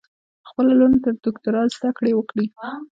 په خپلو لوڼو تر دوکترا ذدکړي وکړئ